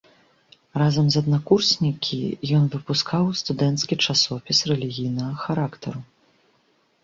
Разам з аднакурснікі ён выпускаў студэнцкі часопіс рэлігійнага характару.